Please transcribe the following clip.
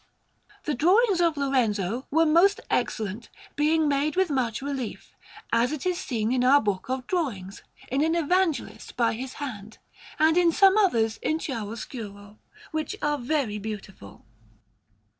The drawings of Lorenzo were most excellent, being made with much relief, as it is seen in our book of drawings, in an Evangelist by his hand, and in some others in chiaroscuro, which are very beautiful.